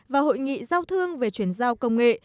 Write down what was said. và hội nghị giao thương về chuyển giao công nghệ